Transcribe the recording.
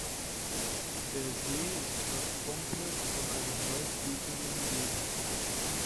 Der See ist fast komplett von einem Waldgürtel umgeben.